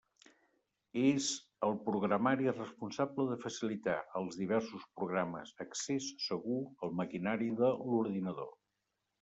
És el programari responsable de facilitar als diversos programes accés segur al maquinari de l'ordinador.